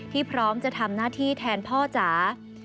พร้อมจะทำหน้าที่แทนพ่อจ๋า